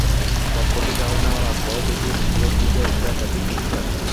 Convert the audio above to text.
কক্ষটি ভাড়া নেওয়ার আগ্রহ দেখিয়ে দুপুরের দিকে এক বা একাধিক ব্যক্তি আসে।